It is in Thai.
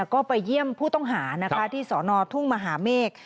ก็ไปเยี่ยมผู้ต้องหานะคะที่สอนอทุ่งมหาเมฆ